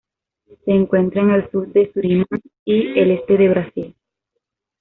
Se encuentra en el sur de Surinam y el este de Brasil.